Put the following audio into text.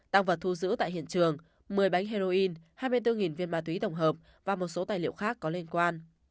tăng vật thu giữ tại hiện trường một mươi bánh heroin hai mươi bốn viên ma túy tổng hợp và một số tài liệu khác có liên quan